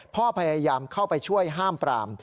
พยายามเข้าไปช่วยห้ามปราม